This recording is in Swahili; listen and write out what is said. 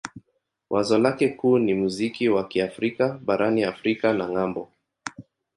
Wazo lake kuu ni muziki wa Kiafrika barani Afrika na ng'ambo.